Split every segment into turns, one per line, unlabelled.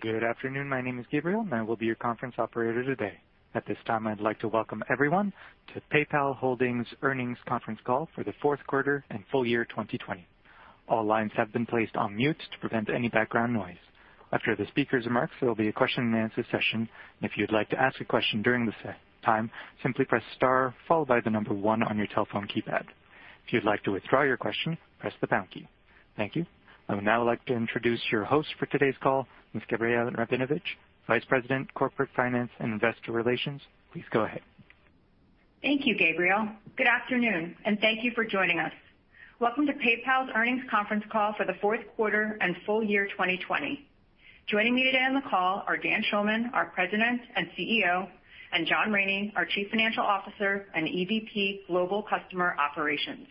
Good afternoon. My name is Gabriel and I will be your conference operator today. At this time, I'd like to welcome everyone to PayPal Holdings earnings conference call for the fourth quarter and full year 2020. All lines have been placed on mute to prevent any background noise. After the speakers remark, there will be a question-and-answer session, and if you'd like to ask a question during this time, simply press star followed by the number one on your telephone keypad. If you'd like to withdraw your question, press the pound key. Thank you. I would now like to introduce your host for today's call, Ms. Gabrielle Rabinovitch, Vice President, Corporate Finance and Investor Relations. Please go ahead.
Thank you, Gabriel. Good afternoon, and thank you for joining us. Welcome to PayPal's earnings conference call for the fourth quarter and full year 2020. Joining me today on the call are Dan Schulman, our President and CEO, and John Rainey, our Chief Financial Officer and EVP Global Customer Operations.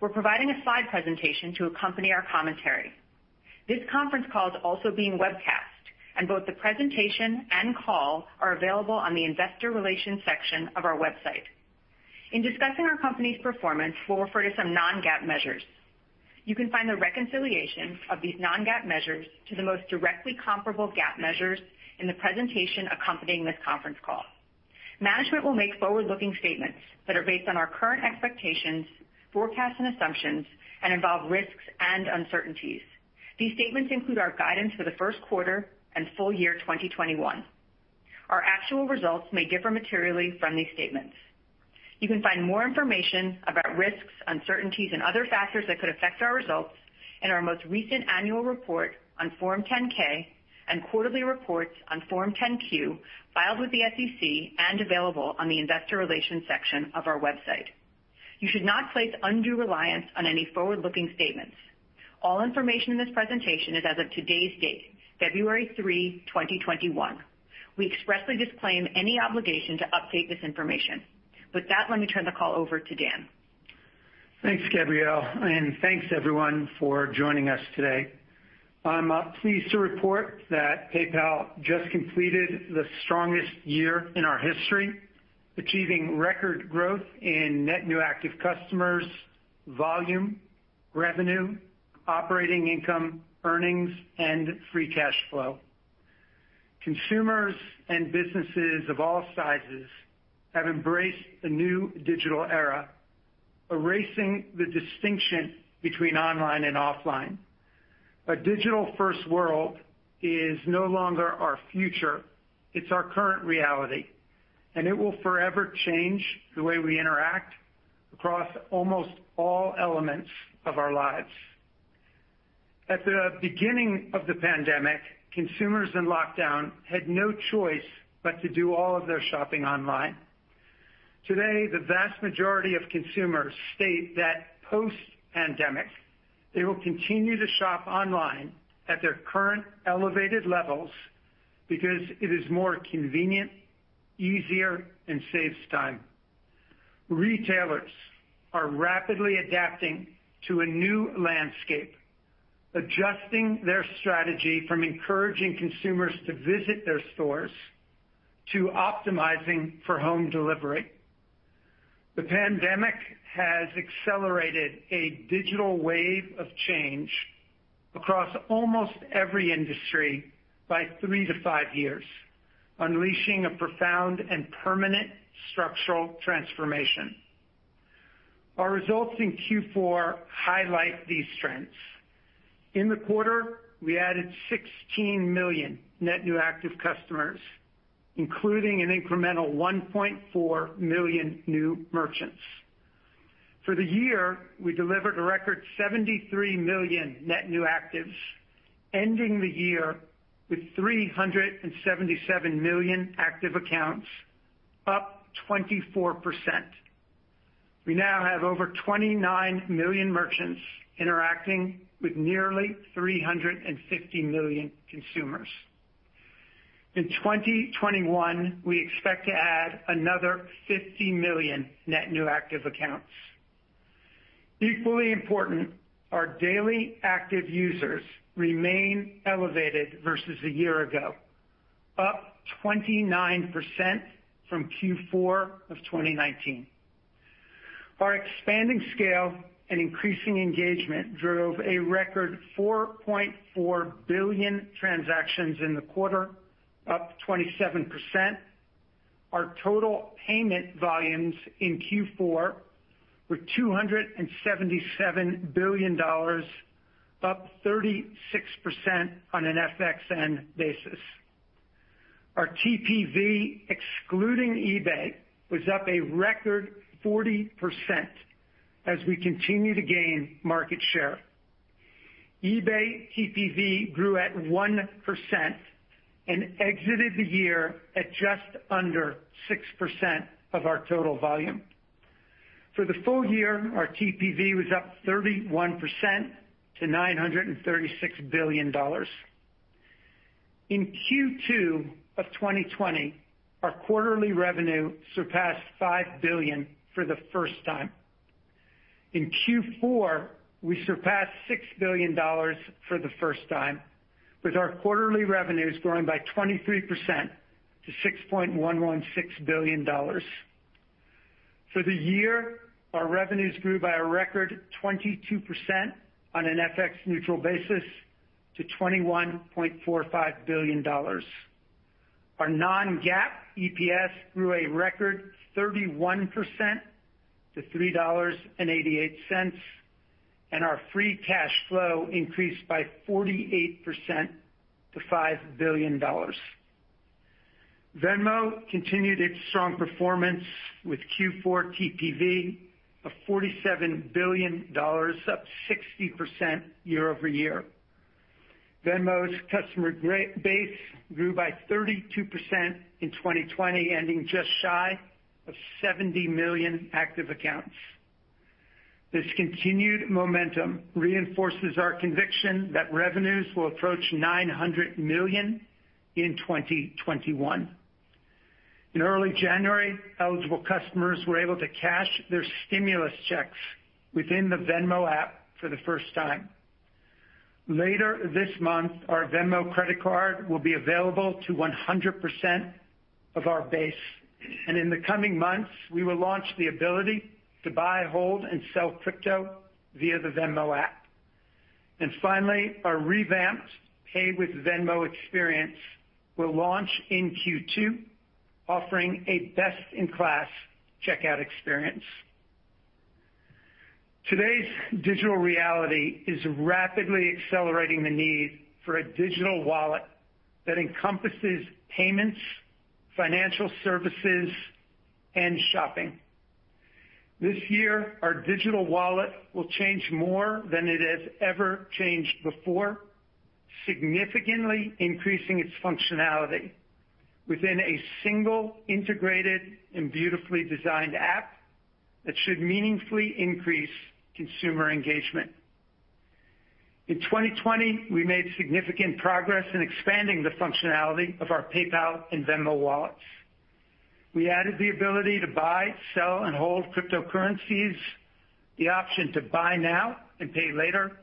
We're providing a slide presentation to accompany our commentary. This conference call is also being webcast, and both the presentation and call are available on the investor relations section of our website. In discussing our company's performance, we'll refer to some non-GAAP measures. You can find the reconciliation of these non-GAAP measures to the most directly comparable GAAP measures in the presentation accompanying this conference call. Management will make forward-looking statements that are based on our current expectations, forecasts and assumptions, and involve risks and uncertainties. These statements include our guidance for the first quarter and full year 2021. Our actual results may differ materially from these statements. You can find more information about risks, uncertainties, and other factors that could affect our results in our most recent annual report on Form 10-K and quarterly reports on Form 10-Q filed with the SEC and available on the investor relations section of our website. You should not place undue reliance on any forward-looking statements. All information in this presentation is as of today's date, February 3rd, 2021. We expressly disclaim any obligation to update this information. With that, let me turn the call over to Dan.
Thanks, Gabrielle, and thanks everyone for joining us today. I'm pleased to report that PayPal just completed the strongest year in our history, achieving record growth in net new active customers, volume, revenue, operating income, earnings, and free cash flow. Consumers and businesses of all sizes have embraced a new digital era, erasing the distinction between online and offline. A digital-first world is no longer our future. It's our current reality, and it will forever change the way we interact across almost all elements of our lives. At the beginning of the pandemic, consumers in lockdown had no choice but to do all of their shopping online. Today, the vast majority of consumers state that post-pandemic, they will continue to shop online at their current elevated levels because it is more convenient, easier, and saves time. Retailers are rapidly adapting to a new landscape, adjusting their strategy from encouraging consumers to visit their stores to optimizing for home delivery. The pandemic has accelerated a digital wave of change across almost every industry by three to five years, unleashing a profound and permanent structural transformation. Our results in Q4 highlight these trends. In the quarter, we added 16 million net new active customers, including an incremental 1.4 million new merchants. For the year, we delivered a record 73 million net new actives, ending the year with 377 million active accounts, up 24%. We now have over 29 million merchants interacting with nearly 350 million consumers. In 2021, we expect to add another 50 million net new active accounts. Equally important, our daily active users remain elevated versus a year ago, up 29% from Q4 of 2019. Our expanding scale and increasing engagement drove a record 4.4 billion transactions in the quarter, up 27%. Our total payment volumes in Q4 were $277 billion, up 36% on an FXN basis. Our TPV, excluding eBay, was up a record 40% as we continue to gain market share. eBay TPV grew at 1% and exited the year at just under 6% of our total volume. For the full year, our TPV was up 31% to $936 billion. In Q2 of 2020, our quarterly revenue surpassed $5 billion for the first time. In Q4, we surpassed $6 billion for the first time, with our quarterly revenues growing by 23% to $6.116 billion. For the year, our revenues grew by a record 22% on an FX neutral basis to $21.45 billion. Our non-GAAP EPS grew a record 31% to $3.88, and our free cash flow increased by 48% to $5 billion. Venmo continued its strong performance with Q4 TPV of $47 billion, up 60% year-over-year. Venmo's customer base grew by 32% in 2020, ending just shy of 70 million active accounts. This continued momentum reinforces our conviction that revenues will approach $900 million in 2021. In early January, eligible customers were able to cash their stimulus checks within the Venmo app for the first time. Later this month, our Venmo Credit Card will be available to 100% of our base. In the coming months, we will launch the ability to buy, hold, and sell crypto via the Venmo app. Finally, our revamped Pay with Venmo experience will launch in Q2, offering a best-in-class checkout experience. Today's digital reality is rapidly accelerating the need for a digital wallet that encompasses payments, financial services, and shopping. This year, our digital wallet will change more than it has ever changed before, significantly increasing its functionality within a single integrated and beautifully designed app that should meaningfully increase consumer engagement. In 2020, we made significant progress in expanding the functionality of our PayPal and Venmo wallets. We added the ability to buy, sell, and hold cryptocurrencies, the option to buy now and pay later,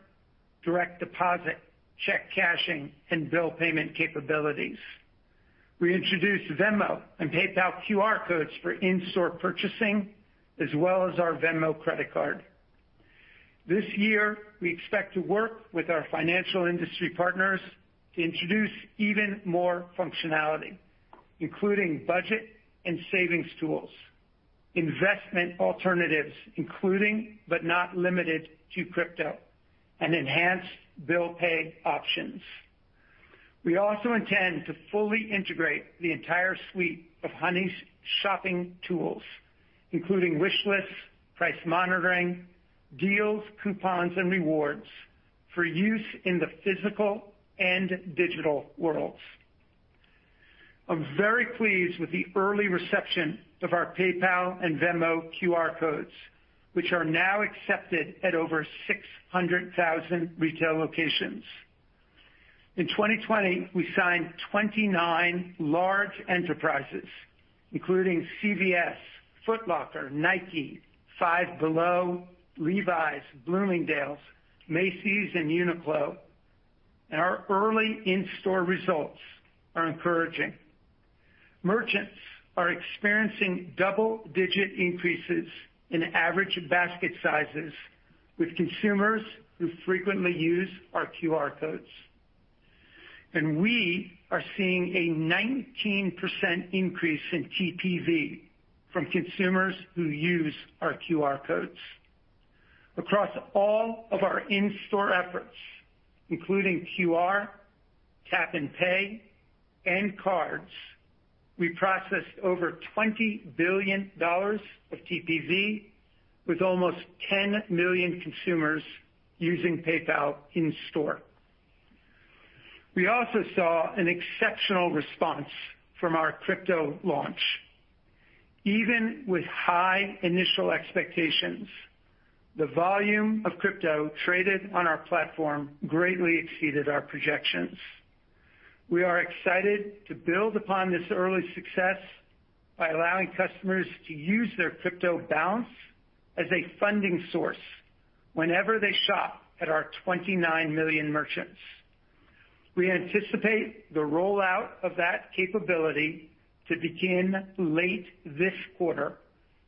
direct deposit, check cashing, and bill payment capabilities. We introduced Venmo and PayPal QR codes for in-store purchasing, as well as our Venmo Credit Card. This year, we expect to work with our financial industry partners to introduce even more functionality, including budget and savings tools, investment alternatives, including but not limited to crypto, and enhanced bill pay options. We also intend to fully integrate the entire suite of Honey's shopping tools, including wish lists, price monitoring, deals, coupons, and rewards for use in the physical and digital worlds. I'm very pleased with the early reception of our PayPal and Venmo QR codes, which are now accepted at over 600,000 retail locations. In 2020, we signed 29 large enterprises including CVS, Foot Locker, Nike, Five Below, Levi's, Bloomingdale's, Macy's, and Uniqlo. Our early in-store results are encouraging. Merchants are experiencing double-digit increases in average basket sizes with consumers who frequently use our QR codes. We are seeing a 19% increase in TPV from consumers who use our QR codes. Across all of our in-store efforts, including QR, tap and pay, and cards, we processed over $20 billion of TPV with almost 10 million consumers using PayPal in store. We also saw an exceptional response from our crypto launch. Even with high initial expectations, the volume of crypto traded on our platform greatly exceeded our projections. We are excited to build upon this early success by allowing customers to use their crypto balance as a funding source whenever they shop at our 29 million merchants. We anticipate the rollout of that capability to begin late this quarter,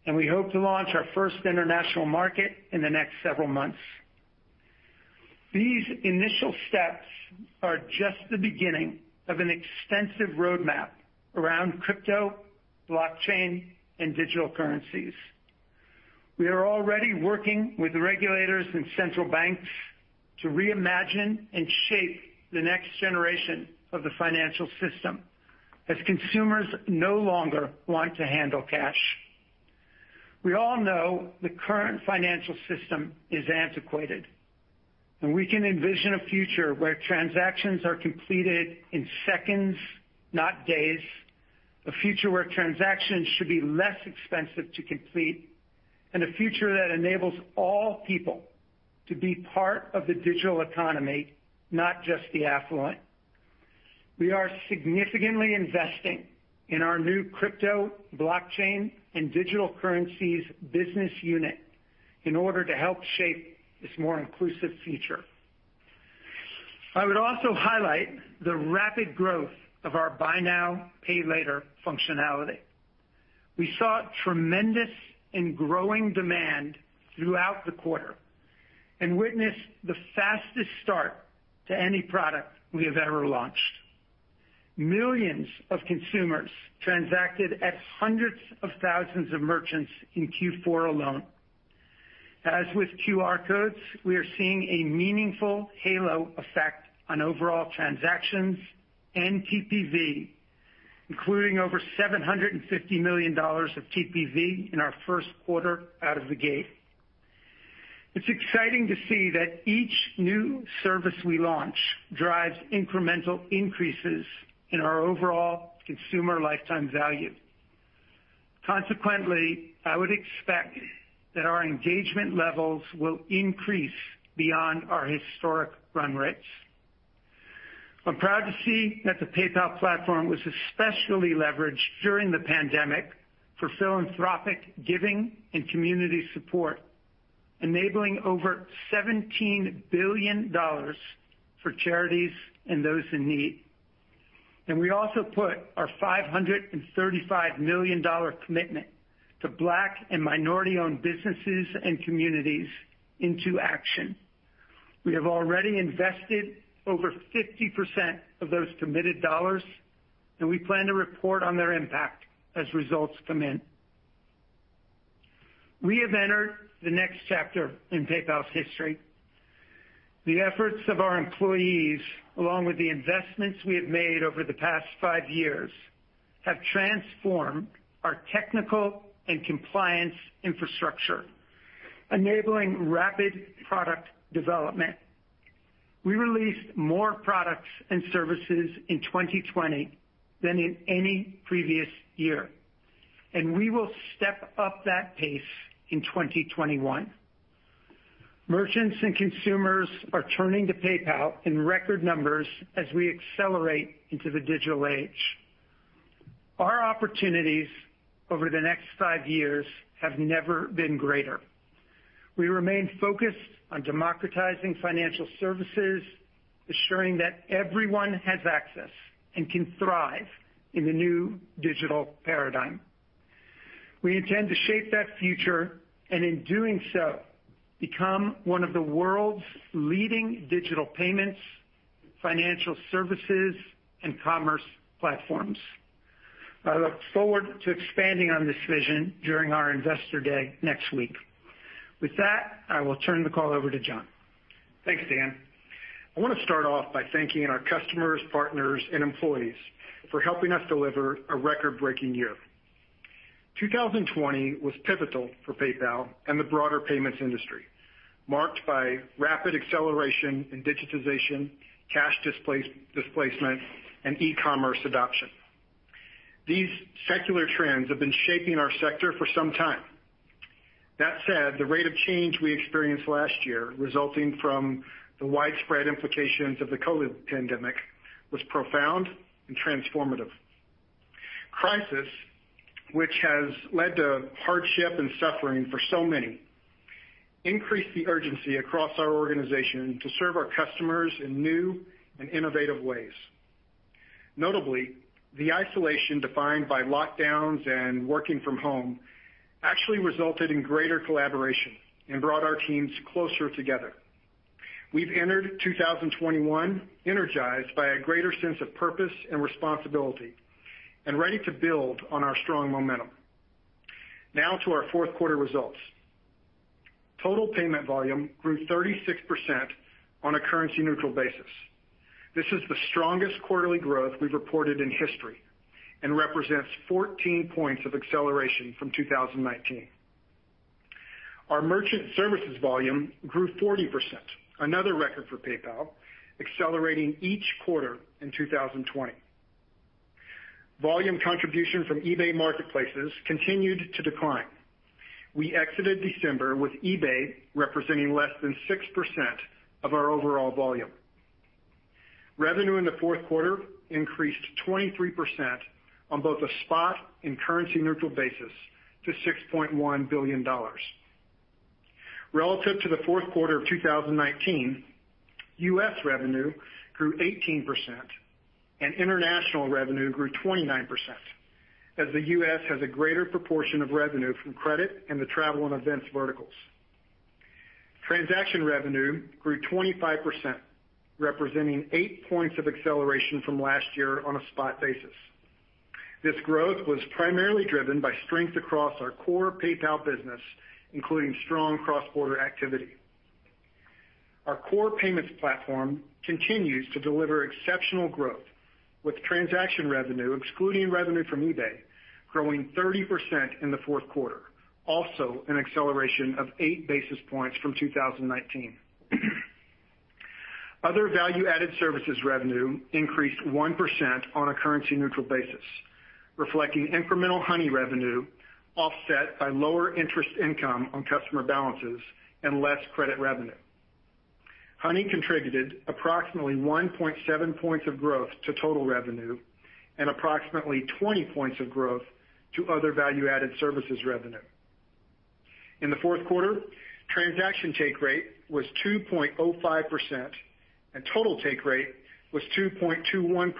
and we hope to launch our first international market in the next several months. These initial steps are just the beginning of an extensive roadmap around crypto, blockchain, and digital currencies. We are already working with regulators and central banks to reimagine and shape the next generation of the financial system as consumers no longer want to handle cash. We all know the current financial system is antiquated. We can envision a future where transactions are completed in seconds, not days, a future where transactions should be less expensive to complete, and a future that enables all people to be part of the digital economy, not just the affluent. We are significantly investing in our new crypto, blockchain, and digital currencies business unit in order to help shape this more inclusive future. I would also highlight the rapid growth of our Buy Now Pay Later functionality. We saw tremendous and growing demand throughout the quarter and witnessed the fastest start to any product we have ever launched. Millions of consumers transacted at hundreds of thousands of merchants in Q4 alone. As with QR codes, we are seeing a meaningful halo effect on overall transactions and TPV, including over $750 million of TPV in our first quarter out of the gate. It's exciting to see that each new service we launch drives incremental increases in our overall consumer lifetime value. I would expect that our engagement levels will increase beyond our historic run rates. I'm proud to see that the PayPal platform was especially leveraged during the pandemic for philanthropic giving and community support, enabling over $17 billion for charities and those in need. We also put our $535 million commitment to Black and minority-owned businesses and communities into action. We have already invested over 50% of those committed dollars, and we plan to report on their impact as results come in. We have entered the next chapter in PayPal's history. The efforts of our employees, along with the investments we have made over the past five years, have transformed our technical and compliance infrastructure, enabling rapid product development. We released more products and services in 2020 than in any previous year, and we will step up that pace in 2021. Merchants and consumers are turning to PayPal in record numbers as we accelerate into the digital age. Our opportunities over the next five years have never been greater. We remain focused on democratizing financial services, ensuring that everyone has access and can thrive in the new digital paradigm. We intend to shape that future, and in doing so, become one of the world's leading digital payments, financial services, and commerce platforms. I look forward to expanding on this vision during our investor day next week. With that, I will turn the call over to John.
Thanks, Dan. I want to start off by thanking our customers, partners, and employees for helping us deliver a record-breaking year. 2020 was pivotal for PayPal and the broader payments industry, marked by rapid acceleration in digitization, cash displacement, and e-commerce adoption. These secular trends have been shaping our sector for some time. That said, the rate of change we experienced last year, resulting from the widespread implications of the COVID pandemic, was profound and transformative. Crisis, which has led to hardship and suffering for so many, increased the urgency across our organization to serve our customers in new and innovative ways. Notably, the isolation defined by lockdowns and working from home actually resulted in greater collaboration and brought our teams closer together. We've entered 2021 energized by a greater sense of purpose and responsibility and ready to build on our strong momentum. Now to our fourth quarter results. Total payment volume grew 36% on a currency-neutral basis. This is the strongest quarterly growth we've reported in history and represents 14 points of acceleration from 2019. Our merchant services volume grew 40%, another record for PayPal, accelerating each quarter in 2020. Volume contribution from eBay marketplaces continued to decline. We exited December with eBay representing less than 6% of our overall volume. Revenue in the fourth quarter increased 23% on both a spot and currency-neutral basis to $6.1 billion. Relative to the fourth quarter of 2019, U.S. revenue grew 18% and international revenue grew 29%, as the U.S. has a greater proportion of revenue from credit and the travel and events verticals. Transaction revenue grew 25%, representing eight points of acceleration from last year on a spot basis. This growth was primarily driven by strength across our core PayPal business, including strong cross-border activity. Our core payments platform continues to deliver exceptional growth, with transaction revenue, excluding revenue from eBay, growing 30% in the fourth quarter, also an acceleration of 800 basis points from 2019. Other value-added services revenue increased 1% on a currency-neutral basis, reflecting incremental Honey revenue offset by lower interest income on customer balances and less credit revenue. Honey contributed approximately 1.7 points of growth to total revenue and approximately 20 points of growth to other value-added services revenue. In the fourth quarter, transaction take rate was 2.05%, and total take rate was 2.21%.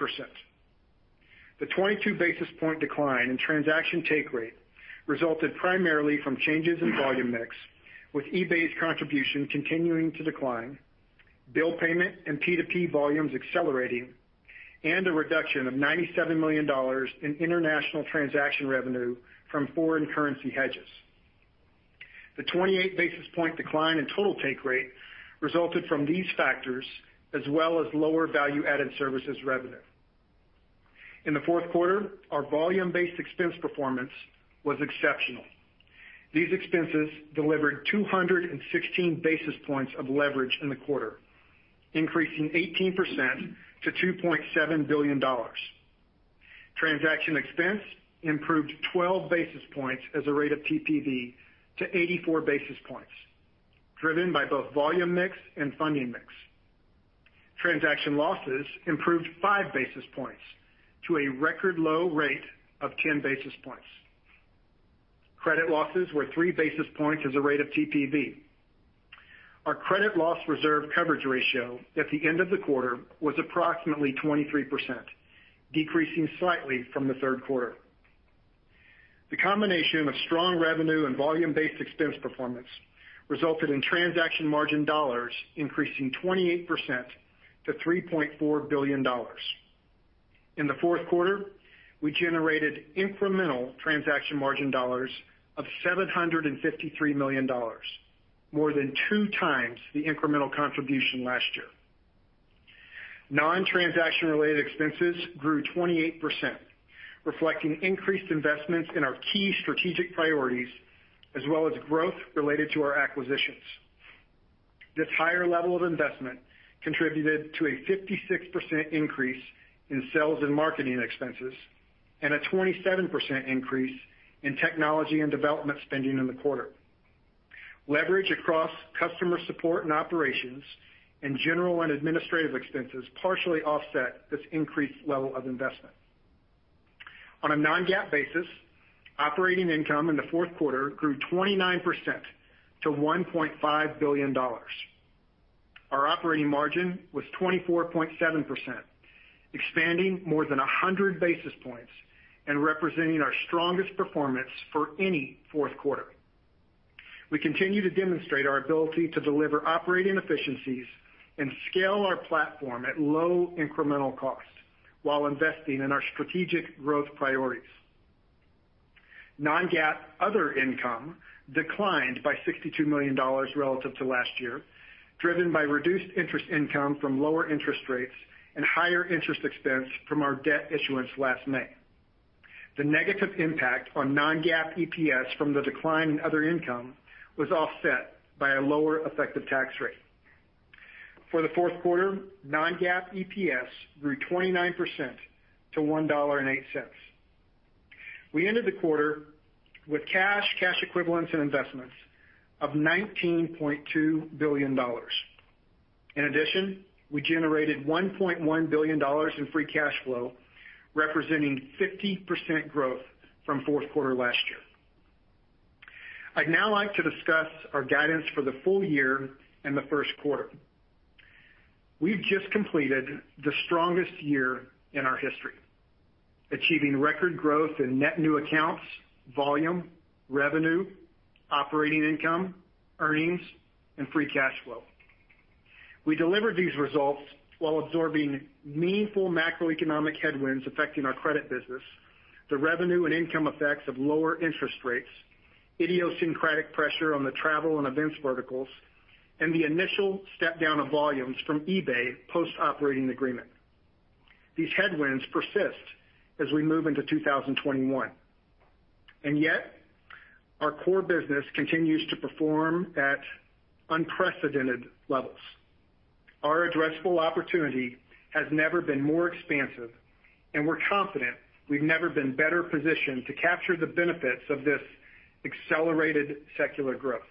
The 22 basis point decline in transaction take rate resulted primarily from changes in volume mix, with eBay's contribution continuing to decline, bill payment and P2P volumes accelerating, and a reduction of $97 million in international transaction revenue from foreign currency hedges. The 28 basis point decline in total take rate resulted from these factors, as well as lower value-added services revenue. In the fourth quarter, our volume-based expense performance was exceptional. These expenses delivered 216 basis points of leverage in the quarter, increasing 18% to $2.7 billion. Transaction expense improved 12 basis points as a rate of TPV to 84 basis points, driven by both volume mix and funding mix. Transaction losses improved five basis points to a record low rate of 10 basis points. Credit losses were three basis points as a rate of TPV. Our credit loss reserve coverage ratio at the end of the quarter was approximately 23%, decreasing slightly from the third quarter. The combination of strong revenue and volume-based expense performance resulted in transaction margin dollars increasing 28% to $3.4 billion. In the fourth quarter, we generated incremental transaction margin dollars of $753 million, more than two times the incremental contribution last year. Non-transaction related expenses grew 28%, reflecting increased investments in our key strategic priorities, as well as growth related to our acquisitions. This higher level of investment contributed to a 56% increase in sales and marketing expenses, and a 27% increase in technology and development spending in the quarter. Leverage across customer support and operations and general and administrative expenses partially offset this increased level of investment. On a non-GAAP basis, operating income in the fourth quarter grew 29% to $1.5 billion. Our operating margin was 24.7%, expanding more than 100 basis points and representing our strongest performance for any fourth quarter. We continue to demonstrate our ability to deliver operating efficiencies and scale our platform at low incremental cost while investing in our strategic growth priorities. Non-GAAP other income declined by $62 million relative to last year, driven by reduced interest income from lower interest rates and higher interest expense from our debt issuance last May. The negative impact on non-GAAP EPS from the decline in other income was offset by a lower effective tax rate. For the fourth quarter, non-GAAP EPS grew 29% to $1.08. We ended the quarter with cash equivalents, and investments of $19.2 billion. In addition, we generated $1.1 billion in free cash flow, representing 50% growth from fourth quarter last year. I'd now like to discuss our guidance for the full year and the first quarter. We've just completed the strongest year in our history, achieving record growth in net new accounts, volume, revenue, operating income, earnings, and free cash flow. We delivered these results while absorbing meaningful macroeconomic headwinds affecting our credit business, the revenue and income effects of lower interest rates, idiosyncratic pressure on the travel and events verticals, and the initial step-down of volumes from eBay post-operating agreement. These headwinds persist as we move into 2021, and yet our core business continues to perform at unprecedented levels. Our addressable opportunity has never been more expansive, and we're confident we've never been better positioned to capture the benefits of this accelerated secular growth.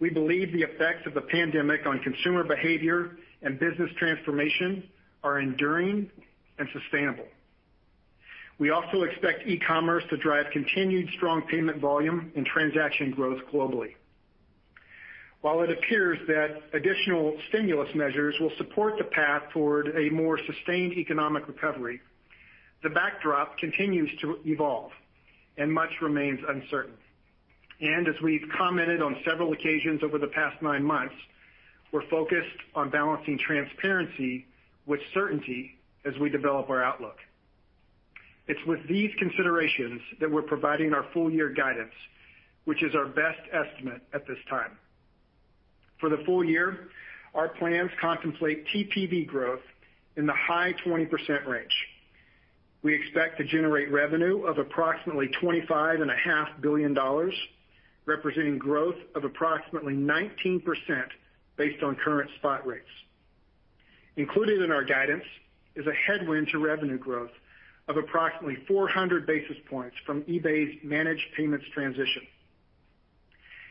We believe the effects of the pandemic on consumer behavior and business transformation are enduring and sustainable. We also expect e-commerce to drive continued strong payment volume and transaction growth globally. While it appears that additional stimulus measures will support the path toward a more sustained economic recovery, the backdrop continues to evolve and much remains uncertain. As we've commented on several occasions over the past nine months, we're focused on balancing transparency with certainty as we develop our outlook. It's with these considerations that we're providing our full year guidance, which is our best estimate at this time. For the full year, our plans contemplate TPV growth in the high 20% range. We expect to generate revenue of approximately $25.5 billion, representing growth of approximately 19% based on current spot rates. Included in our guidance is a headwind to revenue growth of approximately 400 basis points from eBay's managed payments transition.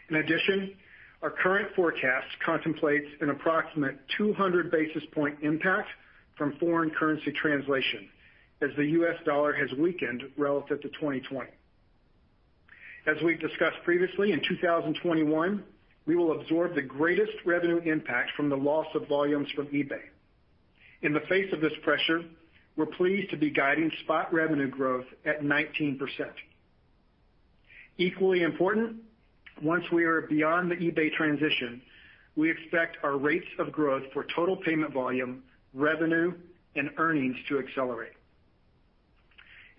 In addition, our current forecast contemplates an approximate 200 basis point impact from foreign currency translation as the U.S. dollar has weakened relative to 2020. As we've discussed previously, in 2021, we will absorb the greatest revenue impact from the loss of volumes from eBay. In the face of this pressure, we're pleased to be guiding spot revenue growth at 19%. Equally important, once we are beyond the eBay transition, we expect our rates of growth for total payment volume, revenue, and earnings to accelerate.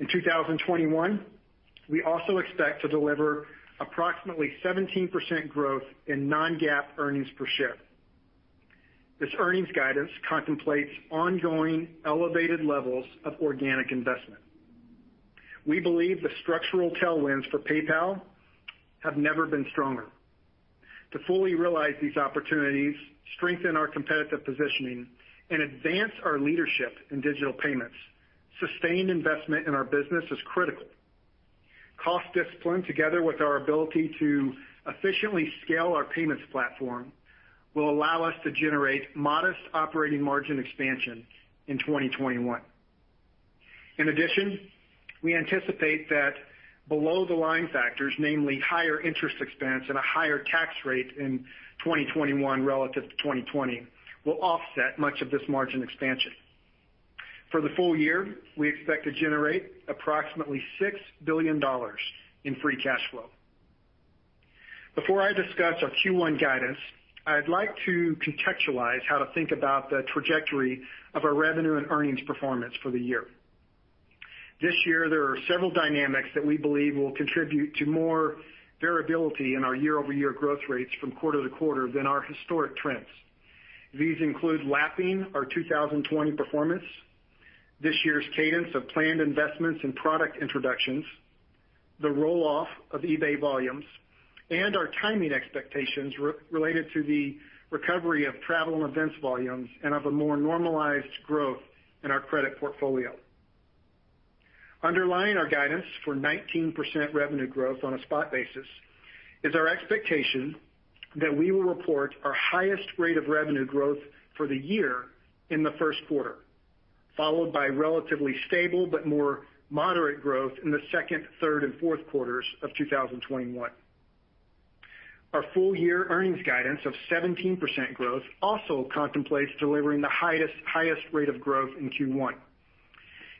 In 2021, we also expect to deliver approximately 17% growth in non-GAAP earnings per share. This earnings guidance contemplates ongoing elevated levels of organic investment. We believe the structural tailwinds for PayPal have never been stronger. To fully realize these opportunities, strengthen our competitive positioning, and advance our leadership in digital payments, sustained investment in our business is critical. Cost discipline, together with our ability to efficiently scale our payments platform, will allow us to generate modest operating margin expansion in 2021. In addition, we anticipate that below the line factors, namely higher interest expense and a higher tax rate in 2021 relative to 2020, will offset much of this margin expansion. For the full year, we expect to generate approximately $6 billion in free cash flow. Before I discuss our Q1 guidance, I'd like to contextualize how to think about the trajectory of our revenue and earnings performance for the year. This year, there are several dynamics that we believe will contribute to more variability in our year-over-year growth rates from quarter to quarter than our historic trends. These include lapping our 2020 performance, this year's cadence of planned investments and product introductions, the roll-off of eBay volumes, and our timing expectations related to the recovery of travel and events volumes and of a more normalized growth in our credit portfolio. Underlying our guidance for 19% revenue growth on a spot basis is our expectation that we will report our highest rate of revenue growth for the year in the first quarter, followed by relatively stable but more moderate growth in the second, third, and fourth quarters of 2021. Our full year earnings guidance of 17% growth also contemplates delivering the highest rate of growth in Q1.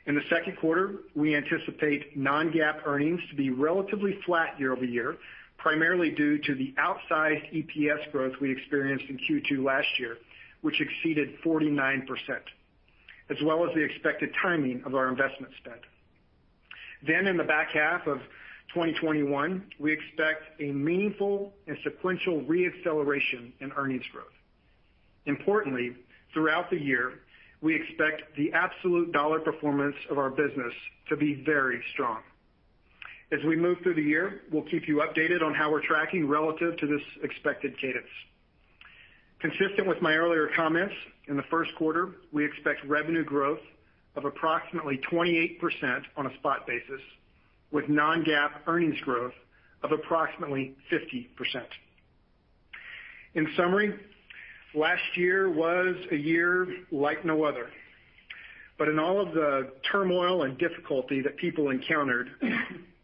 In the second quarter, we anticipate non-GAAP earnings to be relatively flat year-over-year, primarily due to the outsized EPS growth we experienced in Q2 last year, which exceeded 49%, as well as the expected timing of our investment spend. In the back half of 2021, we expect a meaningful and sequential re-acceleration in earnings growth. Importantly, throughout the year, we expect the absolute dollar performance of our business to be very strong. As we move through the year, we'll keep you updated on how we're tracking relative to this expected cadence. Consistent with my earlier comments, in the first quarter, we expect revenue growth of approximately 28% on a spot basis, with non-GAAP earnings growth of approximately 50%. In summary, last year was a year like no other. In all of the turmoil and difficulty that people encountered,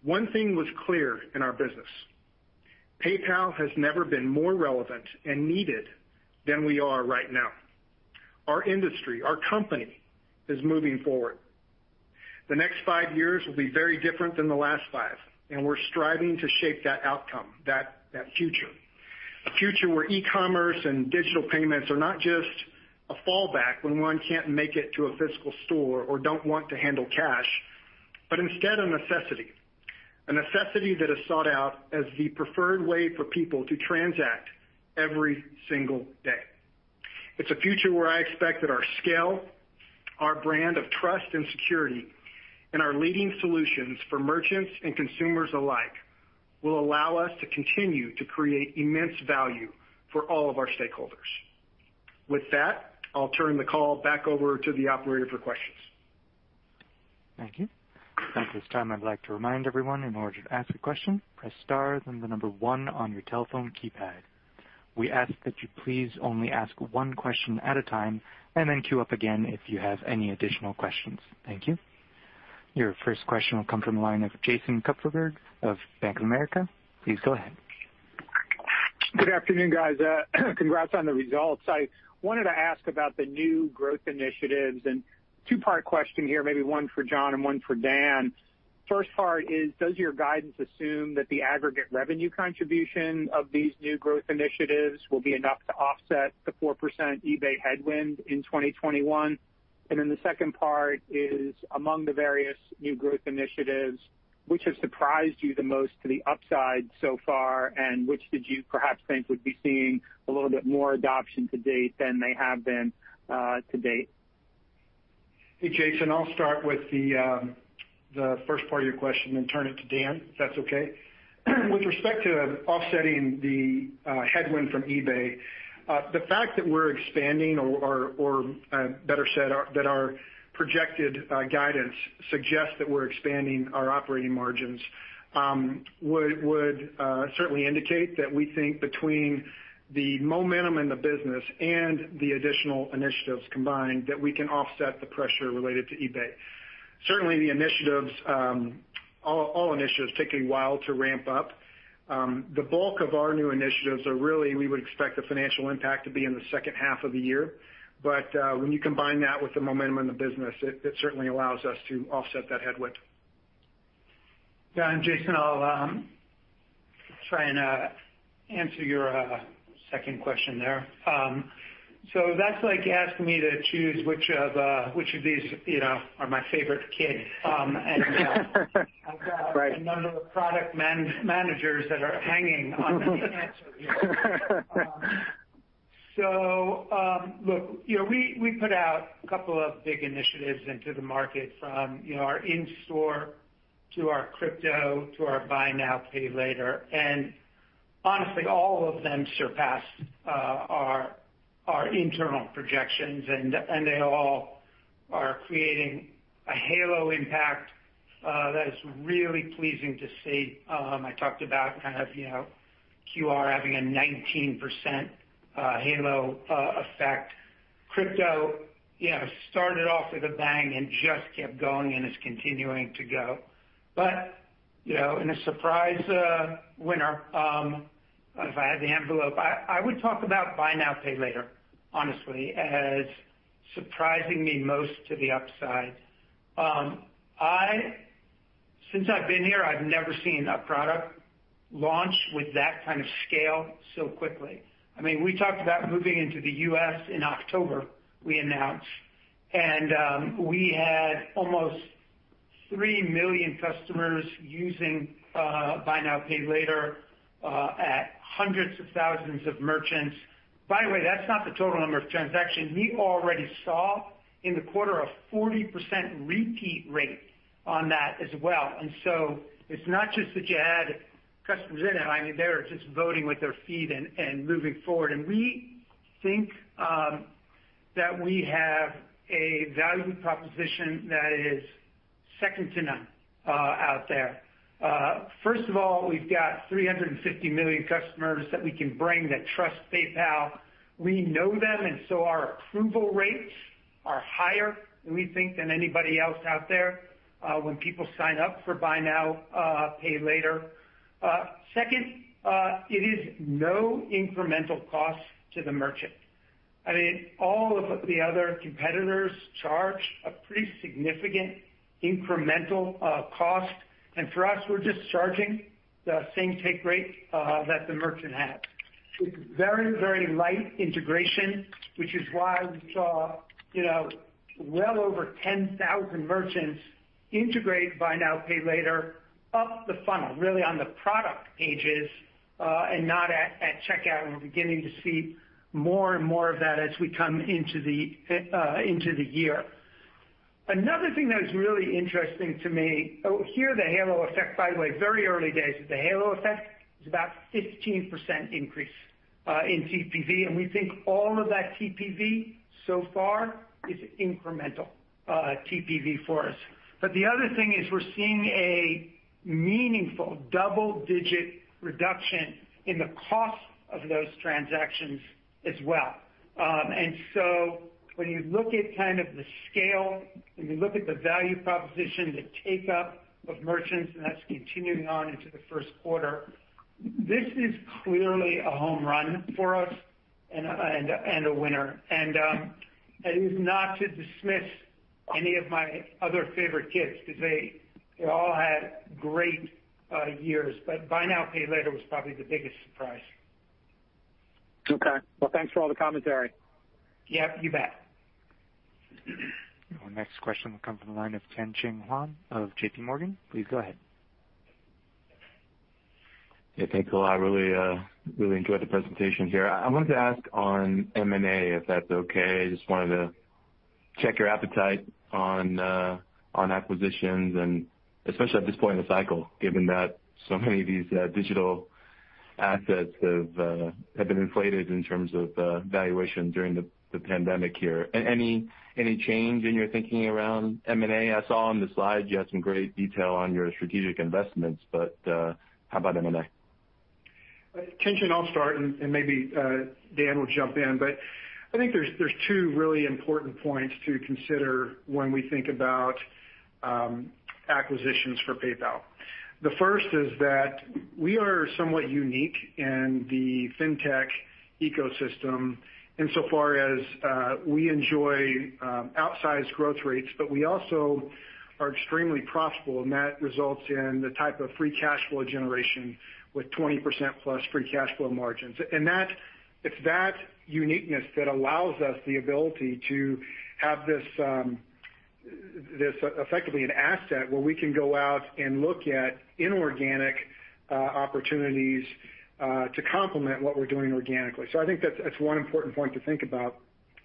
one thing was clear in our business. PayPal has never been more relevant and needed than we are right now. Our industry, our company, is moving forward. The next five years will be very different than the last five, and we're striving to shape that outcome, that future. A future where e-commerce and digital payments are not just a fallback when one can't make it to a physical store or don't want to handle cash, but instead a necessity. A necessity that is sought out as the preferred way for people to transact every single day. It's a future where I expect that our scale, our brand of trust and security, and our leading solutions for merchants and consumers alike will allow us to continue to create immense value for all of our stakeholders. With that, I'll turn the call back over to the operator for questions.
Thank you. At this time, I'd like to remind everyone, in order to ask a question, press star then the number one on your telephone keypad. We ask that you please only ask one question at a time, and then queue up again if you have any additional questions. Thank you. Your first question will come from the line of Jason Kupferberg of Bank of America. Please go ahead.
Good afternoon, guys. Congrats on the results. I wanted to ask about the new growth initiatives, a two-part question here, maybe one for John and one for Dan. First part is, does your guidance assume that the aggregate revenue contribution of these new growth initiatives will be enough to offset the 4% eBay headwind in 2021? The second part is, among the various new growth initiatives, which has surprised you the most to the upside so far, and which did you perhaps think would be seeing a little bit more adoption to date than they have been to date?
Hey, Jason, I'll start with the first part of your question, then turn it to Dan, if that's okay. With respect to offsetting the headwind from eBay, the fact that we're expanding, or better said, that our projected guidance suggests that we're expanding our operating margins would certainly indicate that we think between the momentum in the business and the additional initiatives combined, that we can offset the pressure related to eBay. Certainly, all initiatives take a while to ramp up. The bulk of our new initiatives, we would expect the financial impact to be in the second half of the year. When you combine that with the momentum in the business, it certainly allows us to offset that headwind.
Dan, Jason, I'll try and answer your second question there. That's like asking me to choose which of these are my favorite kid.
Right.
I've got a number of product managers that are hanging on me answering here. Look, we put out a couple of big initiatives into the market, from our in-store to our crypto to our Buy Now Pay Later. Honestly, all of them surpassed our internal projections, and they all are creating a halo impact that is really pleasing to see. I talked about QR having a 19% halo effect. Crypto started off with a bang and just kept going, and it's continuing to go. In a surprise winner, if I had the envelope, I would talk about Buy Now Pay Later, honestly, as surprising me most to the upside. Since I've been here, I've never seen a product launch with that kind of scale so quickly. We talked about moving into the U.S. in October, we announced. We had almost 3 million customers using Buy Now Pay Later at hundreds of thousands of merchants. By the way, that's not the total number of transactions. We already saw in the quarter a 40% repeat rate on that as well. It's not just that you add customers in. They're just voting with their feet and moving forward. We think that we have a value proposition that is second to none out there. First of all, we've got 350 million customers that we can bring that trust PayPal. We know them, our approval rates are higher, we think, than anybody else out there when people sign up for Buy Now Pay Later. Second, it is no incremental cost to the merchant. All of the other competitors charge a pretty significant incremental cost. For us, we're just charging the same take rate that the merchant had. It's very, very light integration, which is why we saw well over 10,000 merchants integrate Buy Now Pay Later up the funnel, really on the product pages, and not at checkout, and we're beginning to see more and more of that as we come into the year. Another thing that is really interesting to me. Here are the halo effect, by the way, very early days, but the halo effect is about 15% increase in TPV, and we think all of that TPV so far is incremental TPV for us. The other thing is we're seeing a meaningful double-digit reduction in the cost of those transactions as well. When you look at the scale, when you look at the value proposition, the take-up of merchants, and that's continuing on into the first quarter, this is clearly a home run for us and a winner. It is not to dismiss any of my other favorite kids because they all had great years. Buy Now Pay Later was probably the biggest surprise.
Okay. Well, thanks for all the commentary.
Yeah, you bet.
Our next question will come from the line of Tien-Tsin Huang of JP Morgan. Please go ahead.
Yeah, thanks a lot. Really enjoyed the presentation here. I wanted to ask on M&A, if that's okay. I just wanted to check your appetite on acquisitions, and especially at this point in the cycle, given that so many of these digital assets have been inflated in terms of valuation during the pandemic here. Any change in your thinking around M&A? I saw on the slide you had some great detail on your strategic investments, but how about M&A?
Tien-Tsin Huang, I'll start, and maybe Dan will jump in. I think there's two really important points to consider when we think about acquisitions for PayPal. The first is that we are somewhat unique in the fintech ecosystem insofar as we enjoy outsized growth rates, but we also are extremely profitable, and that results in the type of free cash flow generation with 20%+ free cash flow margins. It's that uniqueness that allows us the ability to have this effectively an asset where we can go out and look at inorganic opportunities to complement what we're doing organically. I think that's one important point to think about.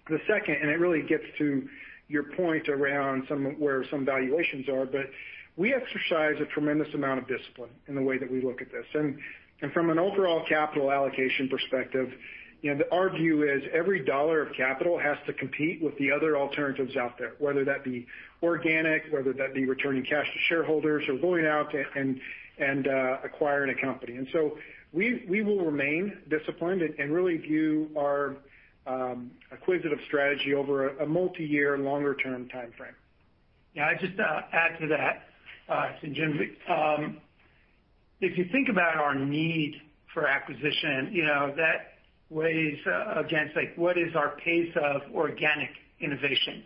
The second, and it really gets to your point around where some valuations are, but we exercise a tremendous amount of discipline in the way that we look at this. From an overall capital allocation perspective, our view is every dollar of capital has to compete with the other alternatives out there, whether that be organic, whether that be returning cash to shareholders, or going out and acquiring a company. We will remain disciplined and really view our acquisitive strategy over a multi-year, longer-term timeframe.
Yeah. I'd just add to that, Tien-Tsin, if you think about our need for acquisition, that weighs against what is our pace of organic innovation.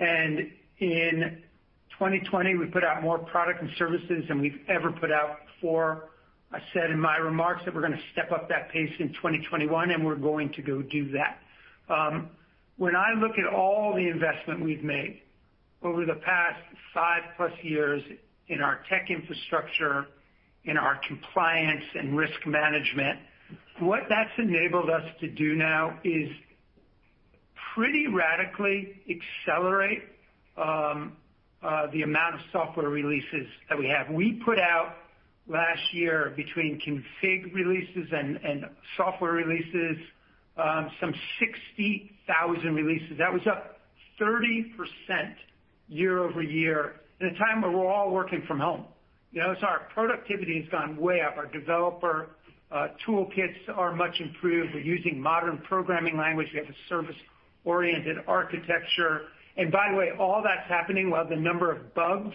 In 2020, we put out more product and services than we've ever put out before. I said in my remarks that we're going to step up that pace in 2021, and we're going to go do that. When I look at all the investment we've made over the past five-plus years in our tech infrastructure, in our compliance and risk management, what that's enabled us to do now is pretty radically accelerate the amount of software releases that we have. We put out last year between config releases and software releases, some 60,000 releases. That was up 30% year-over-year at a time where we're all working from home. Our productivity has gone way up. Our developer toolkits are much improved. We're using modern programming language. We have a service-oriented architecture. By the way, all that's happening while the number of bugs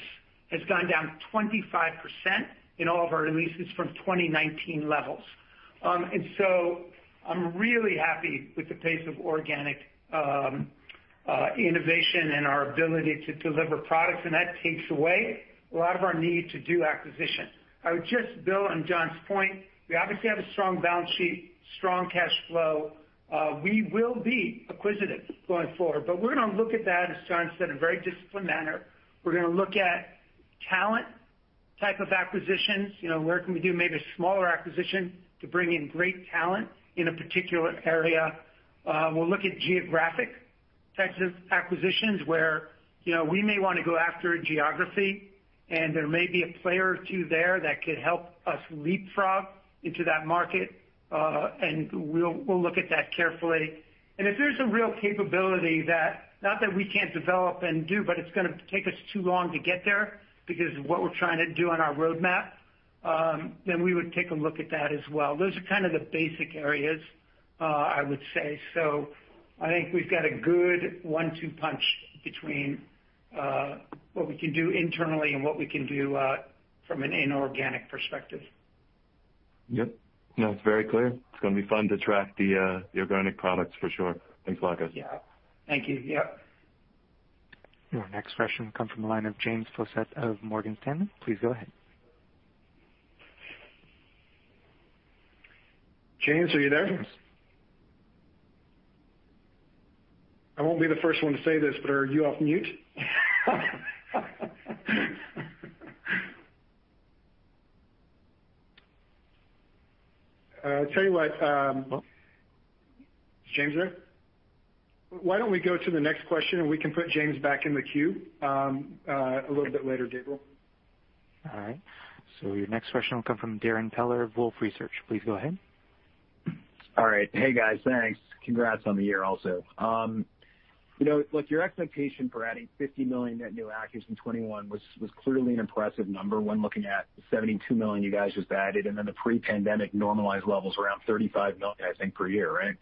has gone down 25% in all of our releases from 2019 levels. I'm really happy with the pace of organic innovation and our ability to deliver products, and that takes away a lot of our need to do acquisition. I would just build on John's point. We obviously have a strong balance sheet, strong cash flow. We will be acquisitive going forward, we're going to look at that, as John said, in a very disciplined manner. We're going to look at talent type of acquisitions. Where can we do maybe a smaller acquisition to bring in great talent in a particular area? We'll look at geographic types of acquisitions, where we may want to go after a geography and there may be a player or two there that could help us leapfrog into that market. We'll look at that carefully. If there's a real capability that, not that we can't develop and do, but it's going to take us too long to get there because of what we're trying to do on our roadmap, then we would take a look at that as well. Those are kind of the basic areas, I would say. I think we've got a good one-two punch between what we can do internally and what we can do from an inorganic perspective.
Yep. No, it's very clear. It's going to be fun to track the organic products for sure. Thanks a lot, guys.
Yeah. Thank you. Yep.
Your next question will come from the line of James Faucette of Morgan Stanley. Please go ahead.
James, are you there? I won't be the first one to say this, but are you off mute? I tell you what. Is James there? Why don't we go to the next question, and we can put James back in the queue a little bit later, Gabriel.
All right. Your next question will come from Darrin Peller of Wolfe Research. Please go ahead.
All right. Hey, guys. Thanks. Congrats on the year also. Your expectation for adding 50 million net new actives in 2021 was clearly an impressive number when looking at the 72.7 Million you guys just added, and then the pre-pandemic normalized levels around 35 million, I think, per year, right?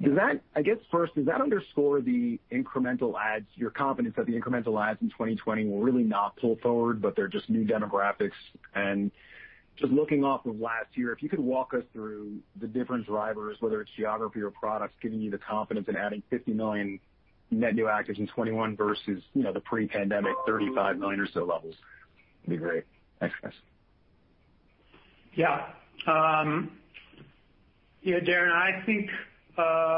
I guess first, does that underscore the incremental adds, your confidence that the incremental adds in 2020 were really not pulled forward, but they're just new demographics? Just looking off of last year, if you could walk us through the different drivers, whether it's geography or products, giving you the confidence in adding 50 million net new actives in 2021 versus the pre-pandemic 35 million or so levels. That'd be great. Thanks, guys.
Yeah, Darrin, I think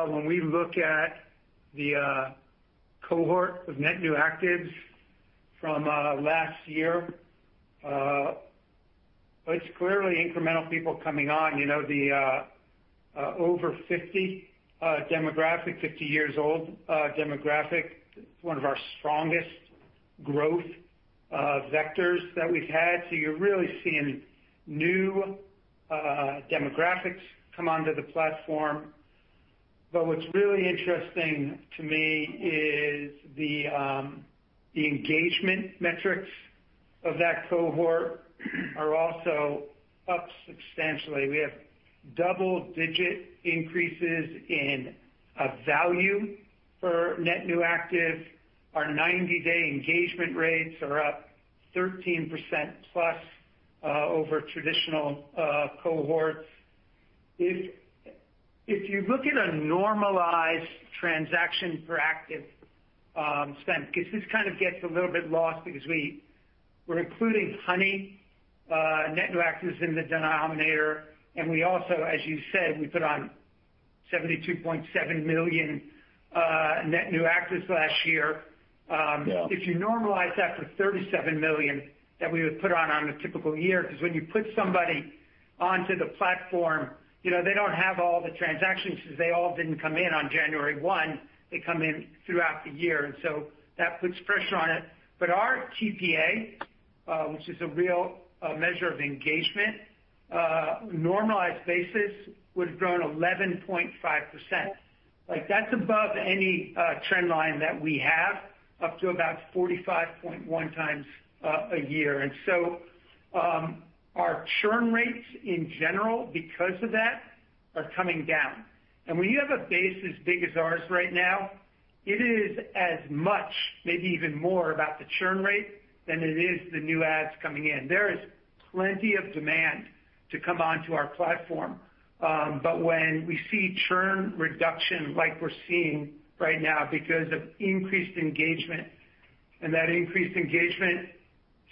when we look at the cohort of net new actives from last year, it's clearly incremental people coming on. The over 50 demographic, 50 years old demographic, one of our strongest growth vectors that we've had. You're really seeing new demographics come onto the platform. What's really interesting to me is the engagement metrics of that cohort are also up substantially. We have double-digit increases in value for net new active. Our 90-day engagement rates are up 13% plus over traditional cohorts. If you look at a normalized transaction per active spend, because this kind of gets a little bit lost because we're including Honey net new actives in the denominator, and we also, as you said, we put on $72.7 million net new actives last year. Yeah. If you normalize that for 37 million that we would put on on a typical year, because when you put somebody onto the platform, they don't have all the transactions because they all didn't come in on January 1st. They come in throughout the year. That puts pressure on it. Our TPA, which is a real measure of engagement, normalized basis, would've grown 11.5%. That's above any trend line that we have, up to about 45.1x a year. Our churn rates in general, because of that, are coming down. When you have a base as big as ours right now, it is as much, maybe even more about the churn rate than it is the new adds coming in. There is plenty of demand to come onto our platform. When we see churn reduction like we're seeing right now because of increased engagement, and that increased engagement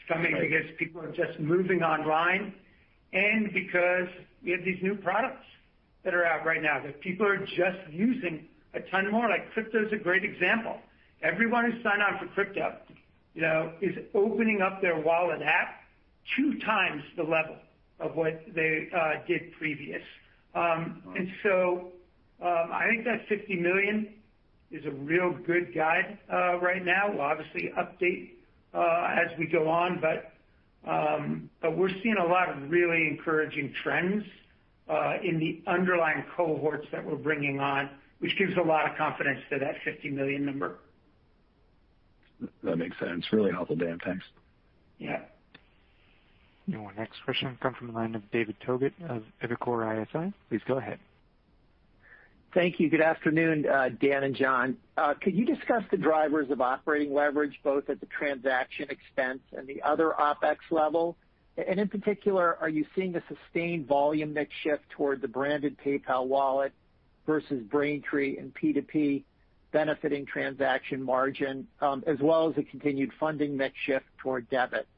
stemming because people are just moving online, and because we have these new products that are out right now that people are just using a ton more, like crypto is a great example. Everyone who's signed on for crypto is opening up their wallet app two times the level of what they did previous. I think that 50 million is a real good guide right now. We'll obviously update as we go on, but we're seeing a lot of really encouraging trends in the underlying cohorts that we're bringing on, which gives a lot of confidence to that 50 million number.
That makes sense. Really helpful, Dan. Thanks.
Yeah.
Your next question comes from the line of David Togut of Evercore ISI. Please go ahead.
Thank you. Good afternoon, Dan and John. Could you discuss the drivers of operating leverage both at the transaction expense and the other OpEx level? In particular, are you seeing a sustained volume mix shift toward the branded PayPal wallet versus Braintree and P2P benefiting transaction margin, as well as the continued funding mix shift toward debit?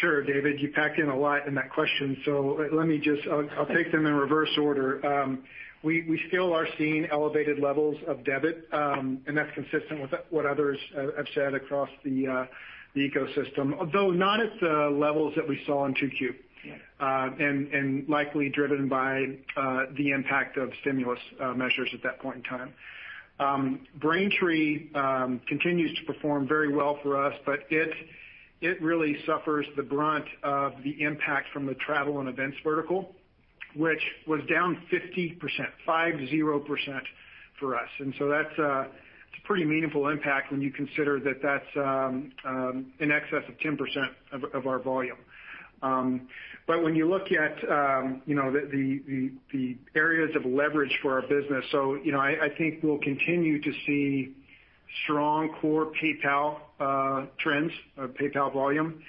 Sure. David, you packed in a lot in that question. I'll take them in reverse order. We still are seeing elevated levels of debit. That's consistent with what others have said across the ecosystem, although not at the levels that we saw in Q2.
Yeah.
Likely driven by the impact of stimulus measures at that point in time. Braintree continues to perform very well for us, but it really suffers the brunt of the impact from the travel and events vertical, which was down 50% for us. That's a pretty meaningful impact when you consider that that's in excess of 10% of our volume. When you look at the areas of leverage for our business, I think we'll continue to see strong core PayPal trends of PayPal volume.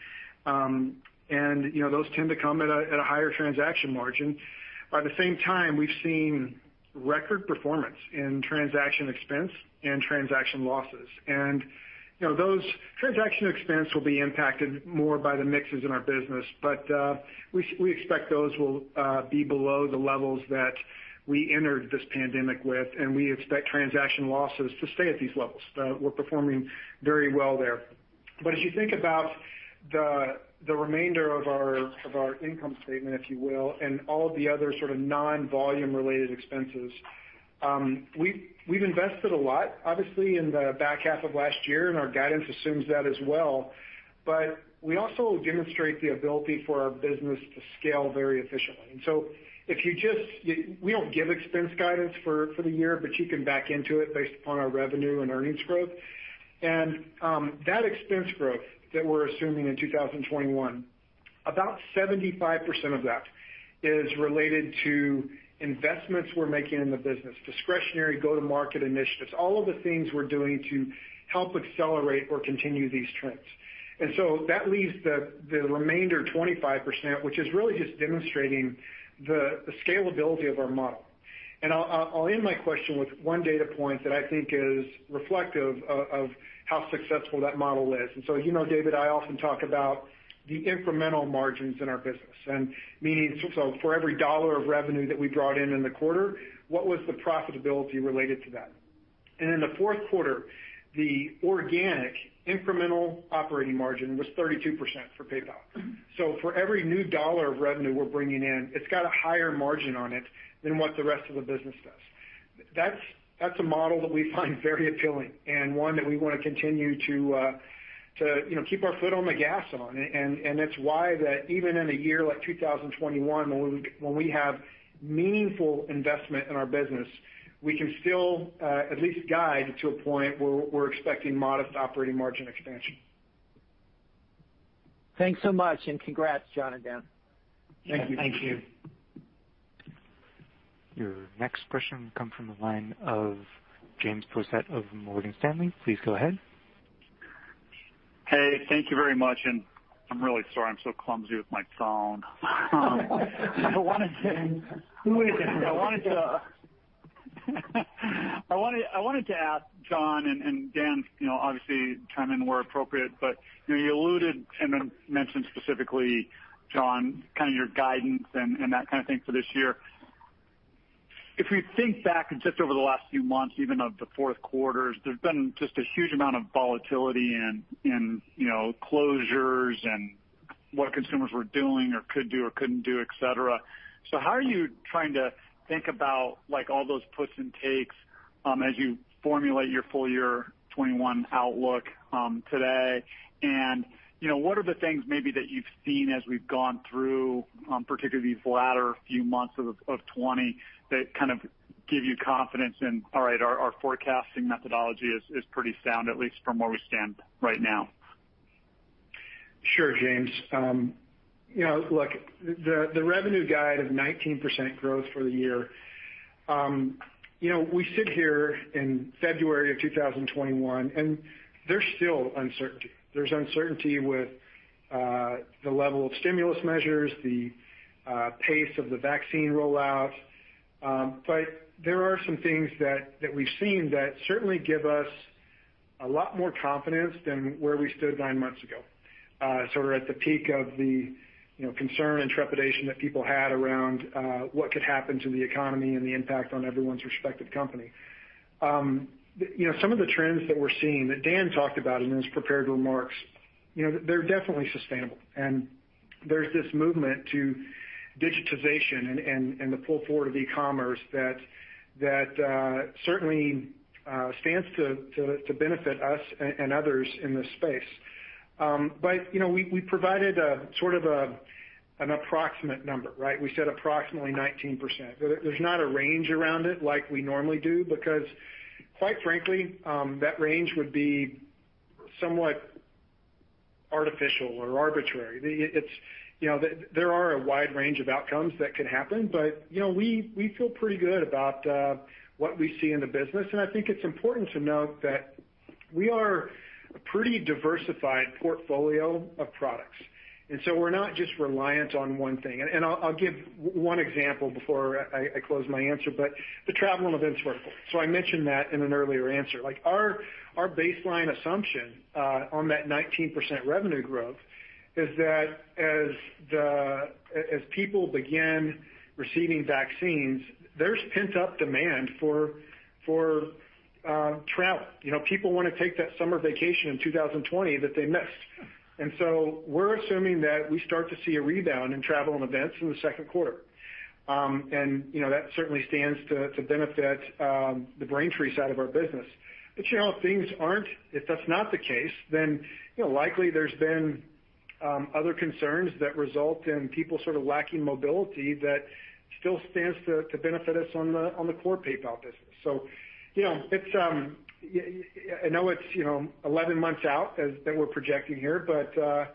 Those tend to come at a higher transaction margin. At the same time, we've seen record performance in transaction expense and transaction losses. Those transaction expense will be impacted more by the mixes in our business. We expect those will be below the levels that we entered this pandemic with, and we expect transaction losses to stay at these levels. We're performing very well there. As you think about the remainder of our income statement, if you will, and all of the other sort of non-volume related expenses, we've invested a lot, obviously, in the back half of last year, and our guidance assumes that as well, but we also demonstrate the ability for our business to scale very efficiently. We don't give expense guidance for the year, but you can back into it based upon our revenue and earnings growth. That expense growth that we're assuming in 2021, about 75% of that is related to investments we're making in the business, discretionary go-to-market initiatives, all of the things we're doing to help accelerate or continue these trends. That leaves the remainder 25%, which is really just demonstrating the scalability of our model. I'll end my question with one data point that I think is reflective of how successful that model is. You know, David, I often talk about the incremental margins in our business, for every $1 of revenue that we brought in in the quarter, what was the profitability related to that? In the fourth quarter, the organic incremental operating margin was 32% for PayPal. For every new $1 of revenue we're bringing in, it's got a higher margin on it than what the rest of the business does. That's a model that we find very appealing and one that we want to continue to keep our foot on the gas on. That's why that even in a year like 2021, when we have meaningful investment in our business, we can still at least guide to a point where we're expecting modest operating margin expansion.
Thanks so much, and congrats, John and Dan.
Thank you.
Thank you.
Your next question comes from the line of James Faucette of Morgan Stanley. Please go ahead.
Hey, thank you very much, and I'm really sorry I'm so clumsy with my phone. I wanted to ask John, and Dan, obviously chime in where appropriate, but you alluded and then mentioned specifically, John, kind of your guidance and that kind of thing for this year. If we think back just over the last few months, even of the fourth quarter, there's been just a huge amount of volatility and closures and what consumers were doing or could do or couldn't do, et cetera. How are you trying to think about all those puts and takes as you formulate your full year 2021 outlook today? What are the things maybe that you've seen as we've gone through, particularly these latter few months of 2020, that kind of give you confidence in, all right, our forecasting methodology is pretty sound, at least from where we stand right now?
Sure, James. The revenue guide of 19% growth for the year. We sit here in February of 2021, there's still uncertainty. There's uncertainty with the level of stimulus measures, the pace of the vaccine rollout. There are some things that we've seen that certainly give us a lot more confidence than where we stood nine months ago, sort of at the peak of the concern and trepidation that people had around what could happen to the economy and the impact on everyone's respective company. Some of the trends that we're seeing, that Dan talked about in his prepared remarks, they're definitely sustainable, there's this movement to digitization and the pull forward of e-commerce that certainly stands to benefit us and others in this space. We provided a sort of an approximate number, right? We said approximately 19%. There's not a range around it like we normally do, because quite frankly, that range would be somewhat artificial or arbitrary. There are a wide range of outcomes that could happen, but we feel pretty good about what we see in the business, and I think it's important to note that we are a pretty diversified portfolio of products. We're not just reliant on one thing. I'll give one example before I close my answer, the travel and events vertical. I mentioned that in an earlier answer. Our baseline assumption on that 19% revenue growth is that as people begin receiving vaccines, there's pent-up demand for travel. People want to take that summer vacation in 2020 that they missed. We're assuming that we start to see a rebound in travel and events in the second quarter. That certainly stands to benefit the Braintree side of our business. If that's not the case, then likely there's been other concerns that result in people sort of lacking mobility that still stands to benefit us on the core PayPal business. I know it's 11 months out that we're projecting here, but as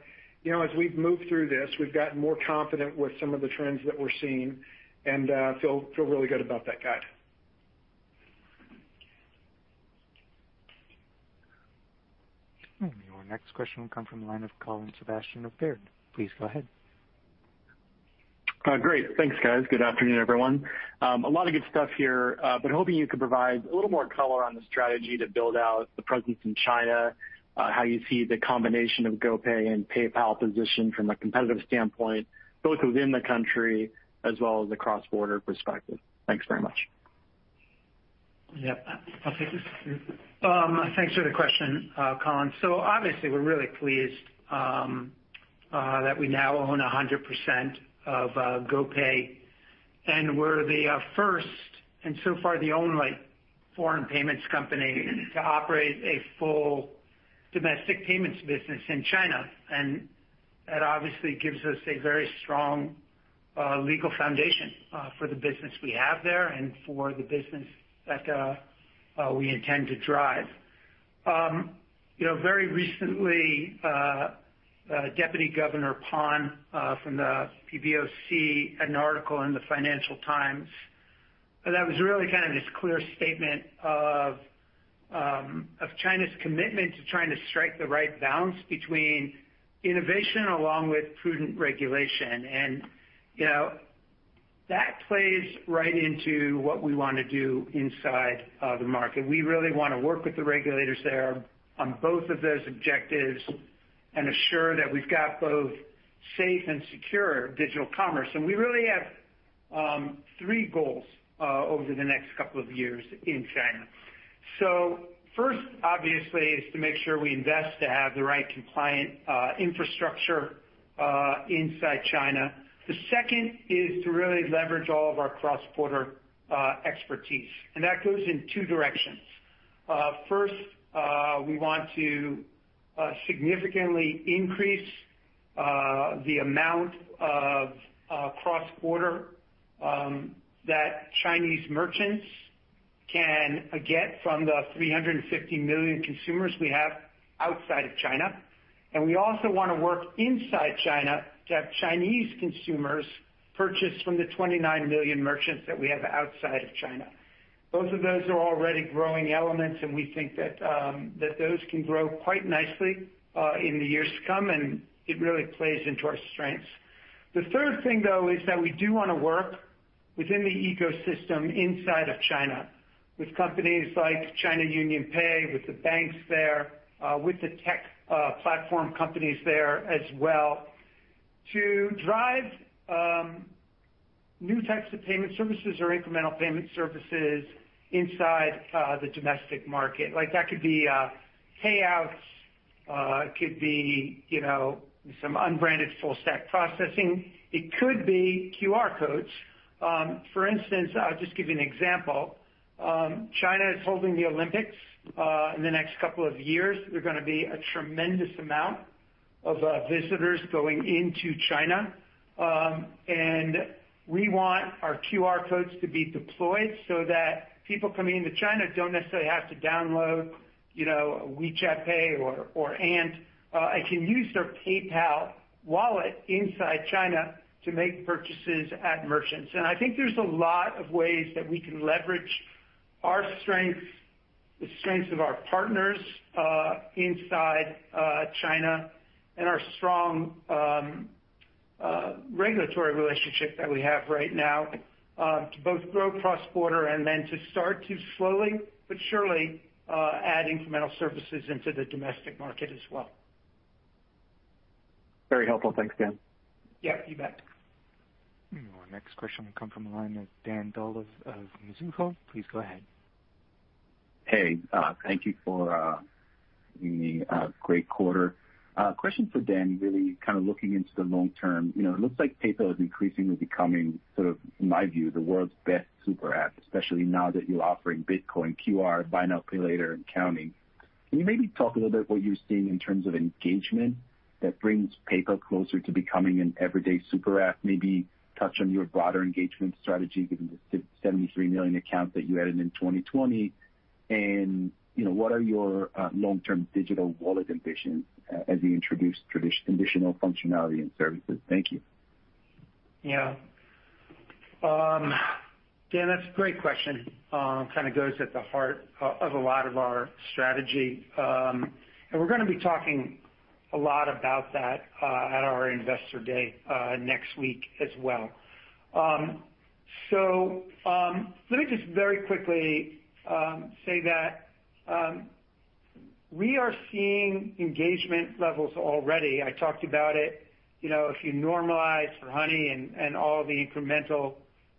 we've moved through this, we've gotten more confident with some of the trends that we're seeing and feel really good about that guide.
Your next question will come from the line of Colin Sebastian of Baird. Please go ahead.
Great. Thanks, guys. Good afternoon, everyone. A lot of good stuff here. Hoping you could provide a little more color on the strategy to build out the presence in China, how you see the combination of GoPay and PayPal positioned from a competitive standpoint, both within the country as well as a cross-border perspective. Thanks very much.
Yeah. I'll take this. Thanks for the question, Colin. Obviously, we're really pleased that we now own 100% of GoPay, and we're the first, and so far the only foreign payments company to operate a full domestic payments business in China. That obviously gives us a very strong legal foundation for the business we have there and for the business that we intend to drive. Very recently, Deputy Governor Pan from the PBOC had an article in the "Financial Times" that was really kind of this clear statement of China's commitment to trying to strike the right balance between innovation along with prudent regulation. That plays right into what we want to do inside the market. We really want to work with the regulators there on both of those objectives and assure that we've got both safe and secure digital commerce. We really have three goals over the next couple of years in China. First, obviously, is to make sure we invest to have the right compliant infrastructure inside China. The second is to really leverage all of our cross-border expertise, and that goes in two directions. First, we want to significantly increase the amount of cross-border that Chinese merchants can get from the 350 million consumers we have outside of China. We also want to work inside China to have Chinese consumers purchase from the 29 million merchants that we have outside of China. Both of those are already growing elements, and we think that those can grow quite nicely in the years to come, and it really plays into our strengths. The third thing, though, is that we do want to work within the ecosystem inside of China with companies like China UnionPay, with the banks there, with the tech platform companies there as well. To drive new types of payment services or incremental payment services inside the domestic market. That could be payouts, could be some unbranded full stack processing. It could be QR codes. For instance, I'll just give you an example. China is holding the Olympics in the next couple of years. There are going to be a tremendous amount of visitors going into China. We want our QR codes to be deployed so that people coming into China don't necessarily have to download WeChat Pay or Ant, and can use their PayPal wallet inside China to make purchases at merchants. I think there's a lot of ways that we can leverage our strengths, the strengths of our partners inside China, and our strong regulatory relationship that we have right now to both grow cross-border and then to start to slowly but surely add incremental services into the domestic market as well.
Very helpful. Thanks, Dan.
Yeah, you bet.
Our next question will come from the line of Dan Dolev of Mizuho. Please go ahead.
Hey. Thank you for the great quarter. Question for Dan. Really kind of looking into the long term. It looks like PayPal is increasingly becoming sort of, in my view, the world's best super app, especially now that you're offering Bitcoin, QR, Buy Now Pay Later, and counting. Can you maybe talk a little bit what you're seeing in terms of engagement that brings PayPal closer to becoming an everyday super app? Maybe touch on your broader engagement strategy, given the 73 million accounts that you added in 2020. What are your long-term digital wallet ambitions as you introduce traditional functionality and services? Thank you.
Yeah. Dan, that's a great question. Kind of goes at the heart of a lot of our strategy. We're going to be talking a lot about that at our Investor Day next week as well. Let me just very quickly say that we are seeing engagement levels already. I talked about it. If you normalize for Honey and all the incremental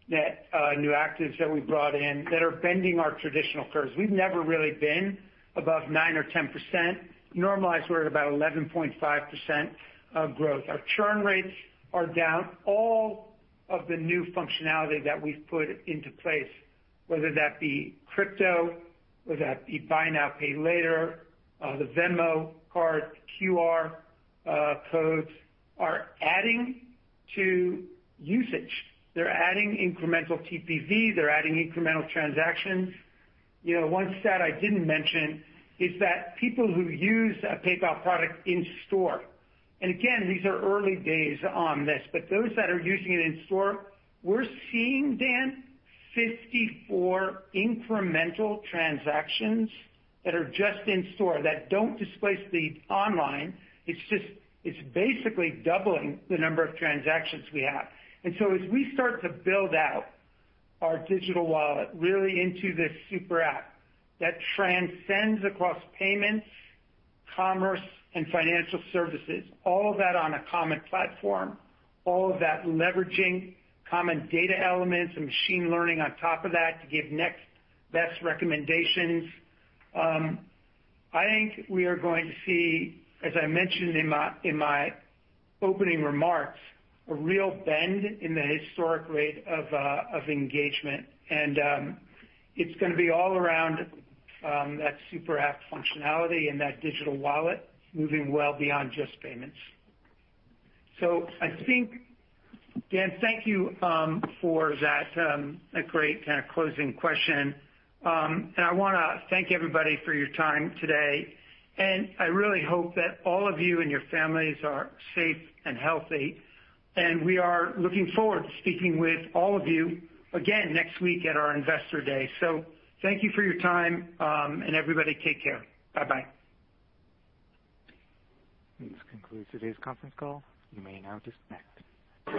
net new actives that we brought in that are bending our traditional curves. We've never really been above nine or 10%. Normalized, we're at about 11.5% of growth. Our churn rates are down. All of the new functionality that we've put into place, whether that be crypto, whether that be Buy Now Pay Later, the Venmo card, QR codes are adding to usage. They're adding incremental TPV. They're adding incremental transactions. One stat I didn't mention is that people who use a PayPal product in store, and again, these are early days on this, but those that are using it in store, we're seeing, Dan, 54 incremental transactions that are just in store that don't displace the online. It's basically doubling the number of transactions we have. As we start to build out our digital wallet, really into this super app that transcends across payments, commerce, and financial services, all of that on a common platform, all of that leveraging common data elements and machine learning on top of that to give next best recommendations. I think we are going to see, as I mentioned in my opening remarks, a real bend in the historic rate of engagement. It's going to be all around that super app functionality and that digital wallet moving well beyond just payments. I think, Dan, thank you for that great kind of closing question. I want to thank everybody for your time today, and I really hope that all of you and your families are safe and healthy, and we are looking forward to speaking with all of you again next week at our Investor Day. Thank you for your time, and everybody take care. Bye-bye.
This concludes today's conference call. You may now disconnect.